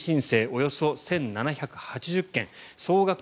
およそ１７８０件総額